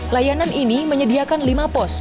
layanan ini menyediakan lima pos